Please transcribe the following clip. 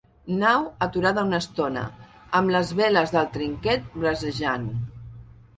Nau aturada una estona, amb les veles del trinquet bracejant.